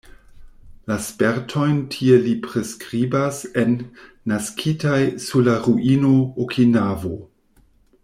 La spertojn tie li priskribas en "Naskitaj sur la ruino: Okinavo".